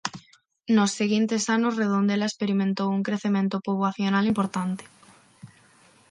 Nos seguintes anos Redondela experimentou un crecemento poboacional importante.